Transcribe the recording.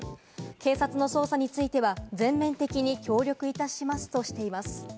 警察の捜査については全面的に協力いたしますとしています。